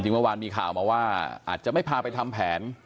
เมื่อวานมีข่าวมาว่าอาจจะไม่พาไปทำแผน